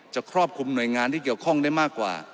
ครอบคลุมหน่วยงานที่เกี่ยวข้องได้มากกว่า